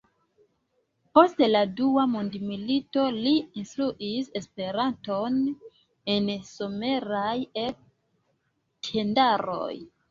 Post la dua mondmilito li instruis Esperanton en someraj E-tendaroj.